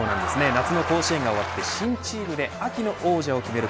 夏の甲子園が終わり新チームで秋の王者を決める